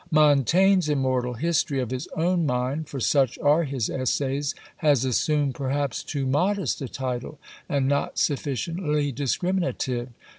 Montaigne's immortal history of his own mind, for such are his "Essays," has assumed perhaps too modest a title, and not sufficiently discriminative.